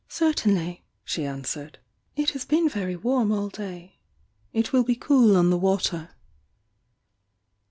Certainly," she answered. "It has be«» verv WMTO a^ day it wiU be cool on the water^ ^.